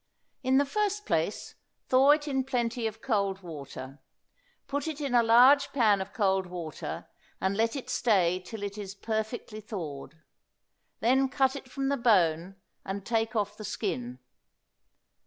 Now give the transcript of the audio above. In the first place, thaw it in plenty of cold water. Put it in a large pan of cold water and let it stay till it is perfectly thawed. Then cut it from the bone and take off the skin.